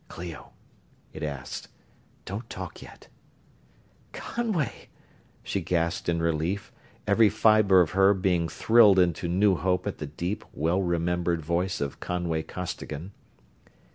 "Clio?" it asked. "Don't talk yet...." "Conway!" she gasped in relief, every fiber of her being thrilled into new hope at the deep, well remembered voice of Conway Costigan.